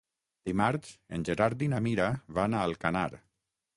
Dimarts en Gerard i na Mira van a Alcanar.